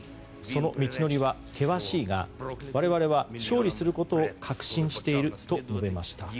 その道のりは険しいが我々は勝利することを確信していると述べました。